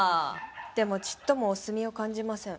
でもちっともオスみを感じません。